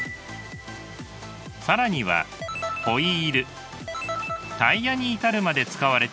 更にはホイールタイヤに至るまで使われています。